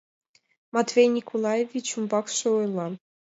Матвей Николаевич умбакше ойла: